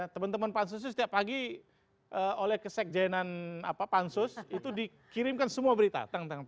teman teman pansusius setiap pagi oleh kesekjainan pansus itu dikirimkan semua berita